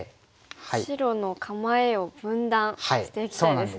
白の構えを分断していきたいですね。